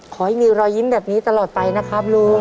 ขอให้มีรอยยิ้มแบบนี้ตลอดไปนะครับลุง